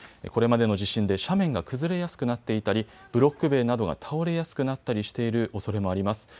これまでの地震で斜面が崩れやすくなっていたりブロック塀などが倒れやすくなったりしているおそれもあります。